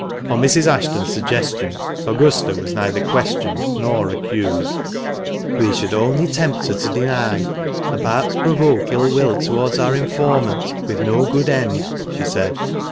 On Mrs. Ashton's suggestion, Augusta was neither questioned nor accused. " We should only tempt her to deny, and perhaps provoke ill will towards our informant, with no good end," she said.